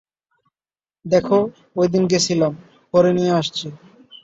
দেখো, ঐদিন গেসিলাম, পরে নিয়া আসছি।